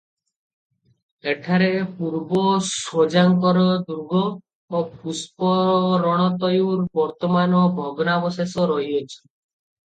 ଏଠାରେ ପୂର୍ବ ସ୍ୱଜାଙ୍କର ଦୁର୍ଗ ଓ ପୁଷ୍ପରର୍ଣତୟୂର ବର୍ତ୍ତମାନ ଭଗ୍ନାବଶେଷ ରହିଅଛି ।